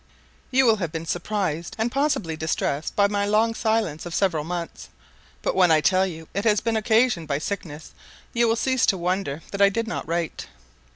You will have been surprised, and possibly distressed, by my long silence of several months, but when I tell you it has been occasioned by sickness, you will cease to wonder that I did not write.